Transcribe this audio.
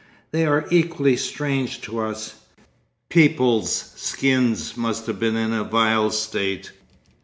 They are equally strange to us. People's skins must have been in a vile state.